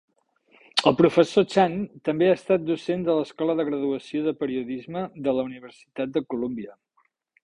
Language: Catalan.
El professor Chan també ha estat docent de l'Escola de graduació de Periodisme de la Universitat de Columbia.